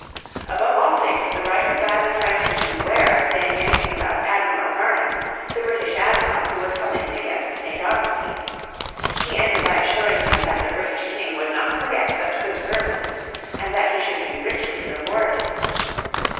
Above all things the writer bade the Frenchman beware of saying anything about Admiral Vernon, the British admiral who was coming against St. Augustine. He ended by assuring him that the British King would not forget such good services, and that he should be richly rewarded.